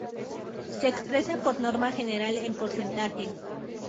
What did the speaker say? Se expresa por norma general en porcentaje.